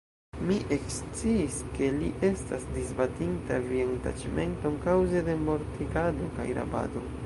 Mi eksciis, ke li estas disbatinta vian taĉmenton kaŭze de mortigado kaj rabado.